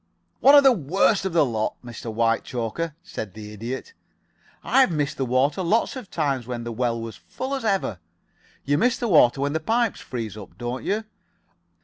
'" "One of the worst of the lot, Mr. Whitechoker," said the Idiot. "I've missed the water lots of times when the well was full as ever. You miss the water when the pipes freeze up, don't you?